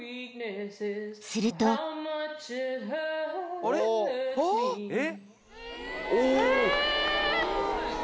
［すると］え！